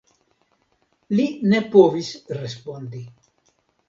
Li ne povis respondi.